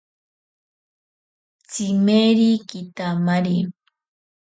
Tsimeri kitamari.